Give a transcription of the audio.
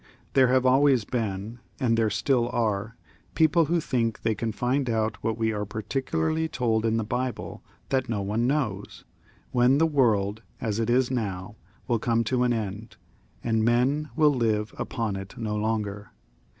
There have always been, and there still are, people who think they can XL] ROBERT, 59 ft find out what we are particularly told in the Bible that no one knows, when the world as it is now will come to an end, and men will live upon it no longer.